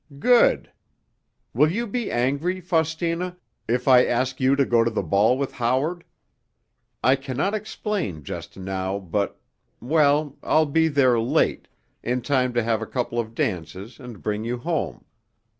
"Good! Will you be angry, Faustina, if I ask you to go to the ball with Howard? I cannot explain just now, but—well, I'll be there late, in time to have a couple of dances and bring you home.